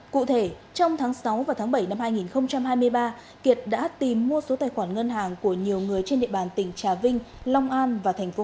cụ thể trong tháng sáu và tháng bảy năm hai nghìn hai mươi ba kiệt đã tìm mua số tài khoản ngân hàng của nhiều người trên địa bàn tỉnh trà vinh long an và tp hcm